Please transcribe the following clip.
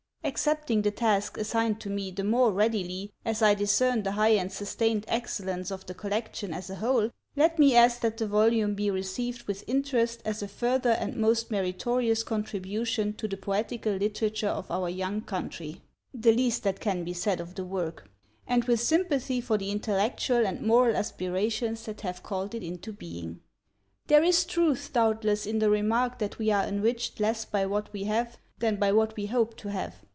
Accepting the task assigned to me the more readily as I discern the high and sustained excellence of the collection as a whole let me ask that the volume be received with interest as a further and most meritorious contribution to the poetical literature of our young country (the least that can be said of the work), and with sympathy for the intellectual and moral aspirations that have called it into being. There is truth, doubtless, in the remark, that we are enriched less by what we have than by what we hope to have.